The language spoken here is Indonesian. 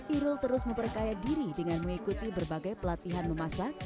irul terus memperkaya diri dengan mengikuti berbagai pelatihan memasak